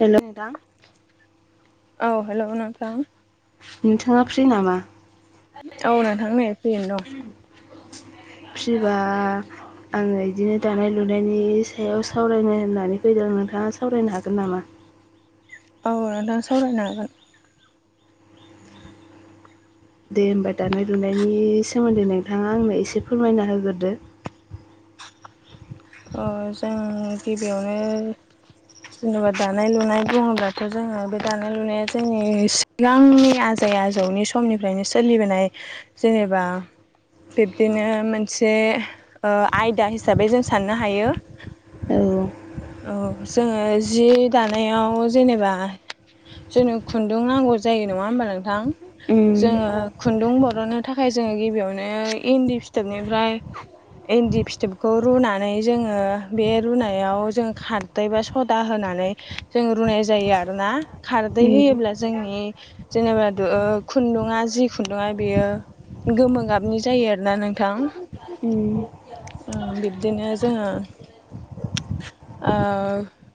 Hello नोंथां। औ hello नोंथां नोंथाङा फ्रि नामा औ नोंथां नै फ्रियैनै दं फ्रिबा आङो इदिनो दानाय लुनायनि सायाव सावरायनो होननानै फैदों। नोंथाङा सावरायनो हागोन नामा? [inaudible] औ नोंथां सावरायनो हागोन। दे होमबा दानाय लुनायनि सोमोन्दै नोंथाङा आंनो एसे फोरमायना होगोरदो [inaudible] ओ जों गिबियावनो जेनेबा दानाय-लुनाय बुङोब्लाथ' जोङो बे दानाय लुनाया जोंनि सिगांनि आज थै आजौनि समनिफ्रायनो सोलिबोनाय जेनेबा बिब्दिनो मोनसे ओ आयदा हिसाबै जों साननो हायो। औ औ जोङो जि दानायाव जेनेबा जोंनो खुन्दुं नांगौ जायो नङा होमबा नोंथां। उम जोङो खुन्दुं बरननो थाखाय जोङो गिबियावनो इन्दि फिथोबनिफ्राय इन्दि फिथोबखौ रुना नै जोङो बे रुनायाव जोङो खारदै बा सदा होनानै जों रुनाय जायो आ रोना खारदै उम होयोब्ला जोंनि जेनेबाद दो खुन्दुङा जि खुन्दुा बेयो गोमो गाबनि जायो आरोना नोंथां ओ उम बिब बिदिनो जोङो [inaudible] ओ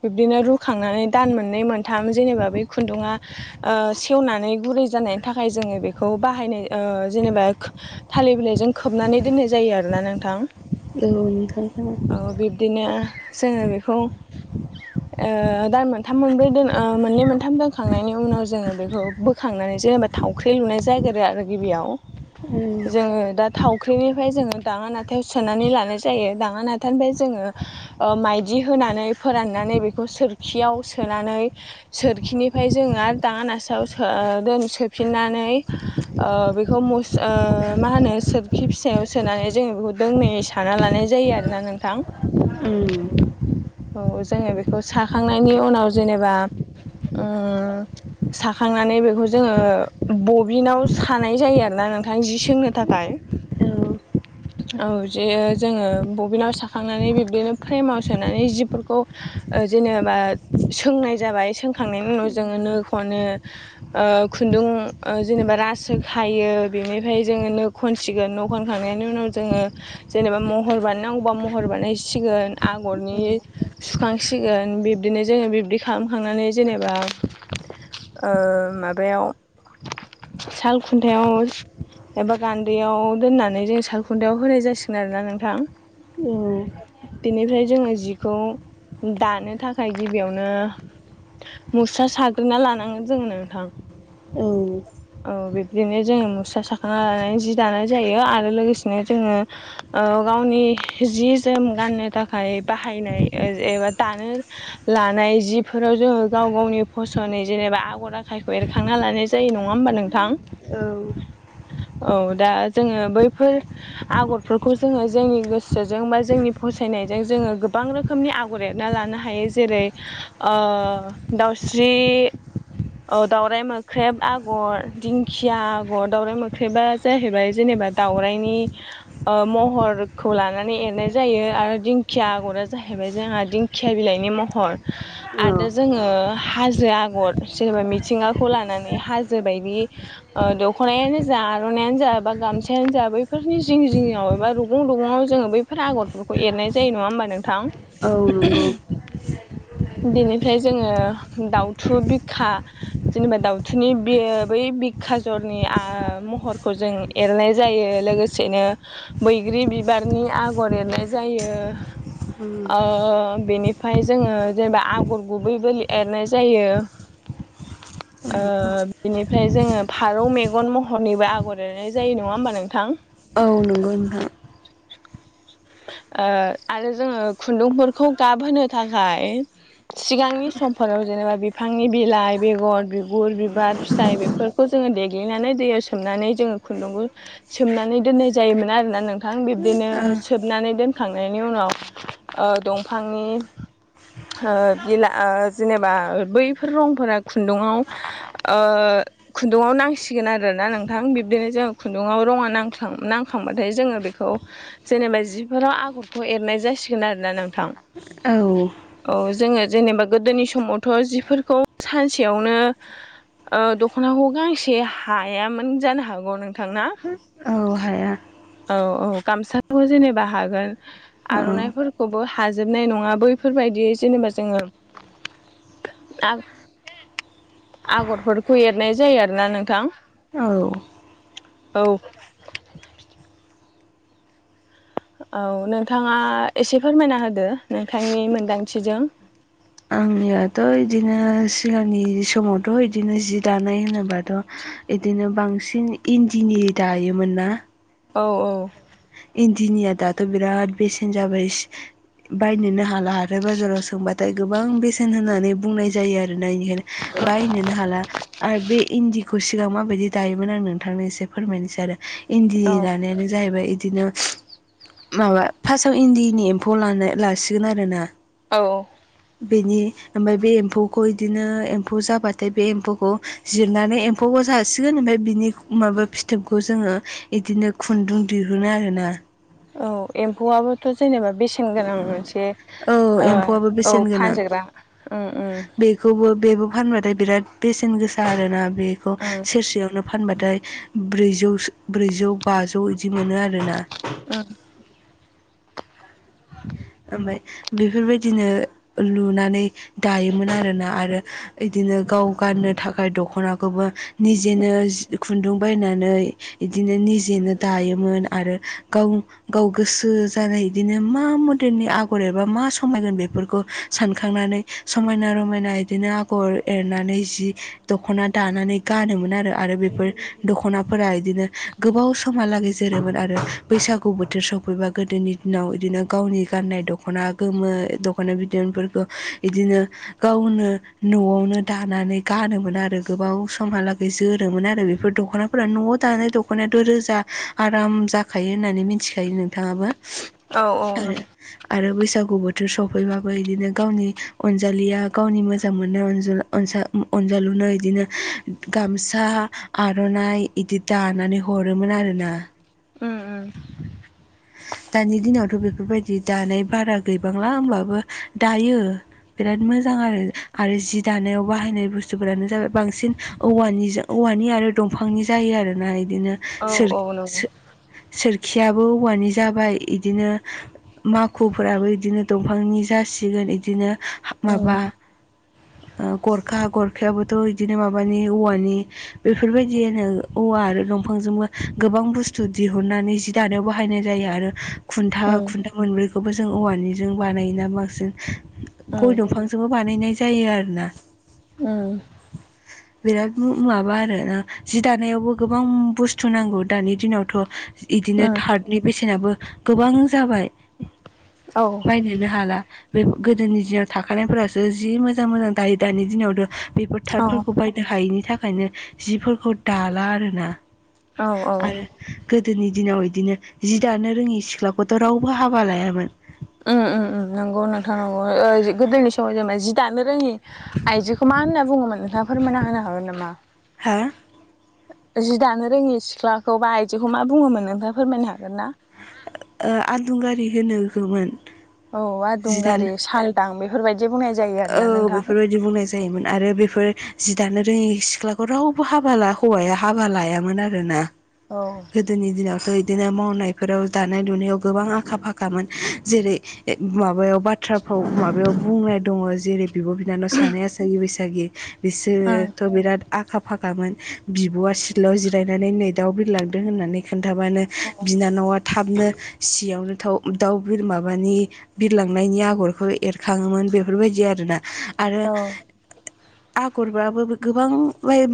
बिब्दिनो रुखांनानै दान मोननै मोनथाम जेनेबा बै खुन्दुङा ओ सेवनानै गुरै जानायनि थाखाय जोङो बेखौ बाहायनाय ओ जेनेबा थालिर बिलाइजों खोब नानै दोननाय जायो आरोना नोंथां। औ नोंथां खोनादों ओ बिब्दिनो जोङो बेखौ ओ दान मोनथाम मोनब्रै दोन ओ मोननै मोनथाम दोनखांनायनि उनाव जोङो बेखौ बोखांनानै जेनेबा थावख्रि लुनाय जागोरो आरो गिबियाव। उम उम जोङो दा थावख्रिनिफ्राय जोङो दाङा नाथायाव सोनानै लानाय जा यो दाङा नाथा ओ जोङो माइदि होनानै फोराननानै बेखौ सोरखियाव सो नानै सोरखिनिफ्राय जोङो आरो दाङा नासायाव सो ओ सोफिननानै। ओ बेखौ मुस ओ मा होनो सोरखि फिसायाव सोनानै जोङो बेखौ दोंनै सा ना लानाय जायो आरोना नोंथां‌ औ औ जोङो बेखौ साखांनायनि उनाव जेनेबा ओ साखांनानै बेखौ जोङो बबिनाव सानाय जायो आरोना नोंथां जि सोंनो थाखाय। औ औ जे जोङो बबिनाव साखांनानै बिब्दिनो फ्रेमाव सो नानै जिफोरखौ ओ जेनेबा सोंनाय जाबाय सोंखांनायनि उनाव जो नो खनो ओ ओ खुुन्दुं ओ जेनेबा रासो खायो बेनिफाय जोङो नो खनसिगोन न खनखांनायनि उनाव जोङो जेनेबा महर बानायनांगौबा महर बानायसिगोन आ बरनि सुखांसिगोन बिब्दिनो जोङो बिब्दि खालामखांनानै जेनेबा ओ माबायाव साल खुन्थायाव एबा गान्दैयाव दोननानै जों सालखुन्थायाव होनाय जासिगोन आरोना नोंथां। बेनिफ्राय जोङो जिखौ दानो थाखाय गिबियावनो। मुस्रा साग्रोना लानांगोन जों नोंथां औ औ बिब्दिनो जोङो मुस्रा साखा लानानै जि दानाय जायो आरो लोगोसेनो जोङो ओ गावनि जि जोम गाननो थाखाय बाहायनाय ओ एबा दानो लानाय जिफोराव जोङो गाव गावनि फसनै जे एबा आगर आखायखौ एरखांना लानाय जायो नङा होमबा नोंथां? औ औ दा जोङो बैफोर आगरफोरखौ जोङो जोंनि गोसोजों बा जोंनि फसायनाय होनायजों जोङो गोबां रोखोमनि आगर एरना लानो हायो जेरै ओ दाउस्रि औ दाउराय मोख्रेब आगर दिंखिया आगर दाउराय मोख्रेबा जाहैबाय जेनेब दावराइनि ओ महरखौ लानानै एरनाय जायो आरो दिंखिया आगरा जायो जाहैबाय जोंहा दिंखिया बिलाइनि महर आरो औ जोङो हाजो आगर जेनेबा मिथिंगाखौ लानानै हाजो बायदि ओ दख'नायानो जा आर'नायइानो जा बा गामसायानो जा बैफोरनि जिं जिंआव एबा रुगुं रुगुङाव जोङो बैफोर आगरफोरखौ एरनाय जायो नङा होमबा नोंथां? औ नंगौ। बेनिफ्राय जोङो दाउथु बिख था जेनेबा दाउथुनि बि बै बिखा जरनि आ महरखौ जों जर एरनाय जायो लोगोसेनो बैग्रि बिबारनि आगर एरनाय जायो। उम अ बेनिफ्राय जोङो जेनेबा आगर गुबैबो एरनाय जायो। [unintelligible] ओ बिनिफ्राय जोङो फारौ मेगन महरनिबो आगर एरनाय जायो नङा होमबा नोंथां। औ नंगौ नोंथां। ओ आरो जोङो खुन्दुंफोरखौ गाबहोनो थाखाय सिगांनि समफोराव जेनेबा बिफांनि बिलाइ बेगर बिगुर बिबार फिथाइ बेफोरखौ जों जोङो देग्लिनानै दैयाव सोमनानै जोङो खुन्दुंखौ सोमनानै दोननाय जायोमोन आरोना नोंथां बिब्दिनो सोबनानै दोनखांनायनि उनाव ओ दंफांनि ओ बिला ओ जेनेबा ओ बैफोर रंफोरा खुन्दुङाव ओ खुन्दुङाव नांसिगोन आरोना नोंथां बिब्दिनो जों खुन्दुङाव रङा नां नांखांबाथाय जोङो बेखौ जेनेबा जिफोराव आगरखौ एरनाय जासिगोन आरोना नोंथां औ जोङो जेनेबा गोदोनि समावथ' जिफोरखौ सानसेयावनो ओ दख'नाखौ गांसे हायामोन जानो हागौ नों औ हाया। औ औ गामसाखौ जेनेबा हागोन औ आर'नाइफोरखौबो हाजोबनाय नङा बैफोरबायदियै जेनोबा जोङो आग आगरफोरखौ एरनाय जायो आरोना नोंथां। औ। औ। औ नोंथाङा एसे फोरमायना होदो नोंथांनि मोनदांथिजों। आंनियाथ' इदिनो सिगांनि समावथ' इदिनो जि दानाय होनोबाथ' इदिनो बांसिन इन्दिनि दायोमोन ना । औ औ। इन्दिनिया दाथ' बिराद बेसेन जाबाय बायनोनो हाला आरो बाजाराव सोंबाथाय गोबां बेसेन होननानै बुंनाय जायो आरोना इनिखायनो बायनोनो हाला आरो बे इन्दिखौ सिगां माबायदि दायोमोन आं नोंथांनो एसे फोरमायनोसै आरो। इन्दि औ दानायानो जाहैबाय बिदिनो माबा फास्टआव इन्दिनि एम्फौ लानाय लासिगोन आरोना। औ। बेनि ओमफाय बे एम्फौखौ इदिनो एम्फौ जाबाथाय बे एम्फौखौ जिरनानै एम्फौ जासिगोन बिनि माबा फिथोबखौ जोङो इदिनो खुन्दुं दि हुनो आरोना। औ एम्फौआबोथ' जेनेबा बेसेन गोनां मोनसे औ ओ एम्फौआबो औ बेसेन गोनां फानजाग्रा उम उम। बेखौबो बेबो फानबाथाय बिराद बेसेन गोसा आरोना बेखौ सेरसेयावनो फानबाथाय ब्रैजौ ब्रैजौ बाजौ बिदि मोनो आरोना। [inaudible] ओमफ्राय बेफोरबायदिनो लुनानै दायोमोन आरोना आरो बिदि बिदिनो गाव गाननो थाखाय दखनाखौबो निजेनो खुन्दुं बायनानै इदि बिदिनो निजेनो दायोमोन आरो गाव गाव गोसो जानाय बिदिनो मा दिननि आगर एबा मा समायगोन बेफोरखौ सानखांनानै समायना रमायना इदिनो आगर एरनानै जि दख'ना दानानै गानोमोन आरो आरो बेफोर दख'नाफोरा इदिनो गोबाव समहालागै जोरोमोन आरो बैसागु बोथोर सफैबा गोदोनि दिनाव इदिनो गावनि गाननाय दख'ना गोमो दख'ना बिदनफोरखौ इदिनो गावनो न'आवनो दानानै गानोमोन आरो गोबाव समहालागै जोरोमोन आरो बेफोर दख'नाफोरा न'आव दानाय दख'ना दखनायाथ' रोजा आराम जाखायो होननानै मिथिखायो नोंथाङाबो। औ औ। आरो आरो बैसागु बोथोर सफैबाबो बिदिनो गावनि अनजालिया गावनि मोजां मोननाय अनजाल अनजा अनजालुनो इदिनो गामसा आर'नाइ इदि दानानै हरोमोन आरोना। उम दानि दिनावथ' बेफोरबायदि दानाय बारा गैबांला होमबाबो दायो। बिराद मोजां आरो आरो जि दानायाव बाहायनाय बुस्थुफोरानो जाबाय बांसिन औवानि औ औवानि आरो दंफांनि जायो आरोना इदिनो सोर औ औ नंगौ सो-सोरखियाबो औवानि जाबाय इदिनो माखुफोराबो बिदिनो दंफांनि जासिगोन बिदिनो माबा उम ओ गरखा गरखायाबोथ' बिदिनो माबानि औवानि बेफोरबायदिनो औ औवा आरो दंफांजोंबो गोबां बसथु दिहुननानै जि दानाय बा बाहायनाय जायो आरो खुन्था उम खुन्था मोनब्रैखौबो जों औवानिजों बानायोना बांसिन । गय उम दंफांजोंबो बानायनाय जायो आरोना। उम। बिराद माबा आरोना जि दानायावबो गोबां बुस्थु नांगौ दानि दिनावथ' इदि उम थातनि बेसेनाबो गोबां जाबाय औ बायनोनो हाला। बे गोदोनि दिनाव थाखानायफोरासो जि मोजां मोजां दायो दानि दिनावथ' बेफोर औ थातफोरखौ बायनो हायैनि थाखायनो जिफोरखौ दाला आरोना। औ औ आरो गोदोनि दिनाव दिनो जि दानो रोङि सिख्लाखौथ' रावबो हाबा लायामोन। उम उम उम नंगौ नोंथां नगौ गोदोनि समाव जेनेबा जि दानो रोङि आइजोखौ मा होनना बुङोमोन नोंथाङ फोरमायना होनो हागोन नामा। हा जि दानो रोङि सिख्लाखौ बा आइदिखौ मा बुङोमोन नोंथाङा फोरमायनो हागोन ना? आदुंगारि होनो मोन। औ आदुंगारि सालदां बेफोरबाय औ बेफोरबायदि बुंनाय जायोमोन आरो बेफोर जि दानो रोङि सिख्लाखौ रावबो हाबा हौवाया हाबा लायामोन आरोना। औ गोदोनि दिनावथ बिदिनो मावनायफोराव दानाय लुनायाव गोबां आखा फाखामोन जेरै माबायाव बाथ्रा माबायाव बुंनाय दङ। जेरै बिब' बिनानाव सानै आसागि बैसागि उम बिसोरोथ' बिराद आखा फाखामोन बिब'आ सिदलाव जिरायनानै नै दाउ बिरलांदों होननानै खोनन्थाबानो बिनानावा थाबनो सियावनो दाउ बिरमानि बिरलांनायनि आगरखौ एरखाङोमोन । बेफोरबायदि आरोना, आरो औ आगरबाबो गोबां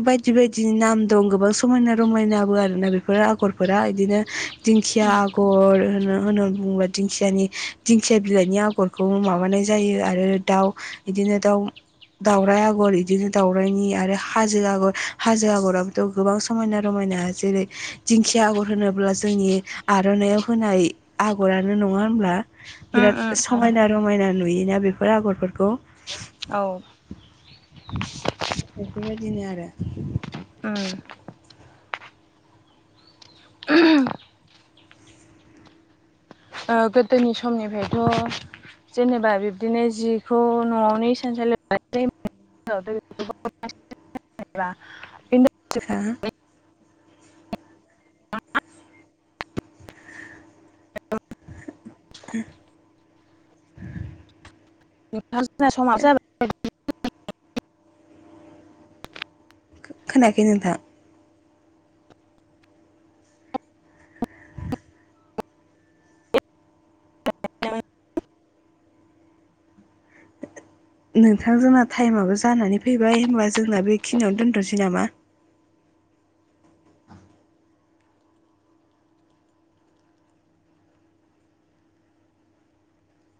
बायदि बायदिनि नाम दं गोबां समायना रमायनाबो आरोना बेफोर आगरफोरा बिदिनो दिंखिया आगर होनो। म होननानै बुङोब्ला दिंखियानि दिंखिया बिलाइनि आगरखौ माबानाय जायो आरो दाउ। बिदिनो दाउ दावराय आगर बिदिनो दाउरायनि आरो हाजो आगर हाजो आगराबोथ' गोबां समायना रमायना समायना जेरै दिंखिया आगर होनोब्ला जोंनि आर'नायाव होनाय आगरानो नङा। नङा होमब्ला? उम बिराद उम उम समायना रमायना नुयोना बेफोर आगरफोरखौ । औ बिदिनो आरो। ओ ओ गोदोनि समनिफ्रायथ' । जेनेबा बिब्दिनो जिखौ न'आवनो इसानसालि [inaudible] हा [unintelligible] [inaudible] [unintelligible] खोनायाखै नोंथां? [unintelligible] नोंथां जोंना टाइमाबाबो जानानै फैबाय होनब्ला जोंना बेखिनियावनो दोनथ'नोसै नामा?